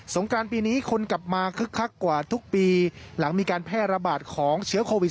งการปีนี้คนกลับมาคึกคักกว่าทุกปีหลังมีการแพร่ระบาดของเชื้อโควิด